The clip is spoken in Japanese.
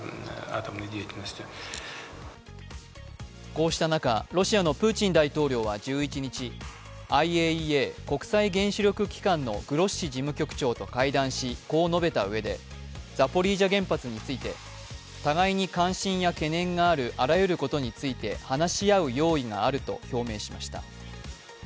こうした中、ロシアのプーチン大統領は１１日、ＩＡＥＡ＝国際原子力機関のグロッシ事務局長と会談し、こう述べたうえでザポリージャ原発について、互いに関心や懸念があるあらゆることについて話し合う用意があると表明しました。